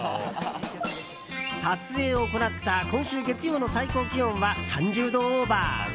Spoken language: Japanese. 撮影を行った今週月曜の最高気温は３０度オーバー。